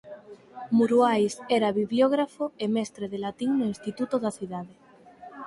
Muruais era bibliógrafo e mestre de latín no instituto da cidade.